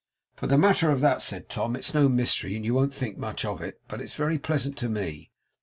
'For the matter of that,' said Tom, 'it's no mystery, and you won't think much of it; but it's very pleasant to me.